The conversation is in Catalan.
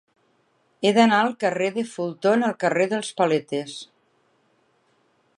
He d'anar del carrer de Fulton al carrer dels Paletes.